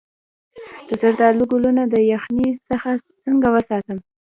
د زردالو ګلونه د یخنۍ څخه څنګه وساتم؟